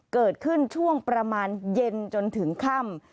เกิดขึ้นช่วงประมาณเย็นจนถึงค่ำ